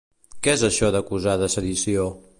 Què és això d'acusar de sedició?